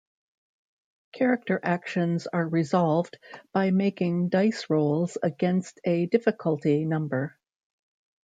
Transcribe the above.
Character actions are resolved by making dice rolls against a difficulty number.